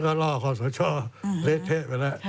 นี้ไปล้ำศาลหรือเปล่า